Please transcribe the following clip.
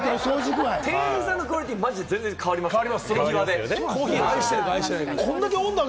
店員さんのクオリティーでマジで変わりますからね。